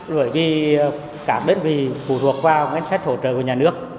bởi vì các đơn vị phụ thuộc vào ngân sách hỗ trợ của nhà nước